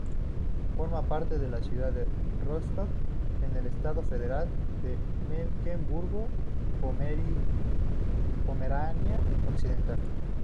Forma parte de la ciudad de Rostock, en el estado federal de Mecklemburgo-Pomerania Occidental.